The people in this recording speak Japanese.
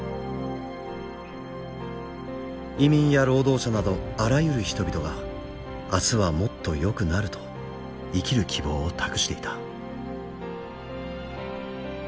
移民や労働者などあらゆる人々が明日はもっとよくなると生きる希望を託していた。